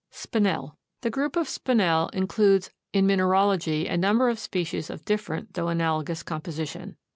SPINEL. The group of Spinel includes in mineralogy a number of species of different though analogous composition.